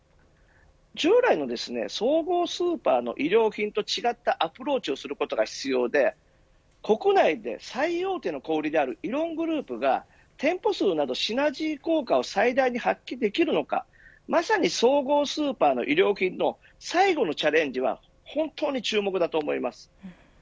従来の総合スーパーの衣料品と違ったアプローチをすることが必要で国内で最大手の小売であるイオングループが店舗数などシナジー効果を最大に発揮できるのかまさに総合スーパーの衣料品の最後のチャレンジは本当に注目だと思います。